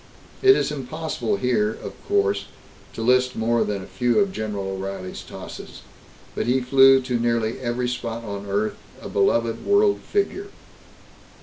It is impossible here, of course, to list more than a few of General O'Reilly's tosses, but he flew to nearly every spot on earth, a beloved world figure.